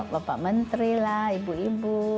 bapak menteri lah ibu ibu